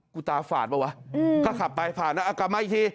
กูตาฝาดป่ะวะก็ขับไปผ่านแล้วกลับมาอีกที